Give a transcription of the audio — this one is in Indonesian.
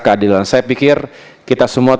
keadilan saya pikir kita semua